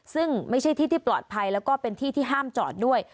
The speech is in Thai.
ซึ่งไม่ใช่ที่ที่ปลอดภัยแล้วก็เป็นที่ที่ห้ามจอดด้วย